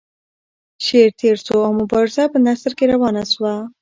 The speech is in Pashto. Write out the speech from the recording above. شعر تیر شو او مبارزه په نثر کې روانه شوه.